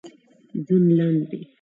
ژوند لنډ دی.